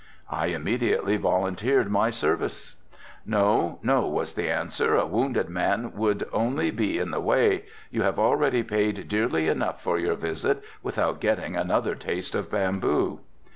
I immediately volunteered my service. "No, no," was the answer, "A wounded man would only be in the way, you have already paid dearly enough for your visit without getting another taste of bamboo."